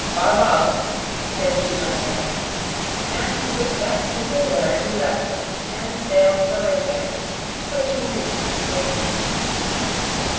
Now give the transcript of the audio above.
"Farval," said he one day; and with that simple word he left us and sailed for Rejkiavik, which he reached in safety.